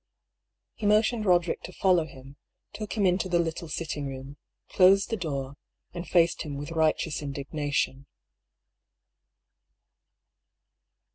He motioned Roderick to follow him, took him into the little sitting room, closed the door, and faced him with righteous indignation.